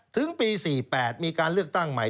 ถึงปี๔๘มีการเลือกตั้งใหม่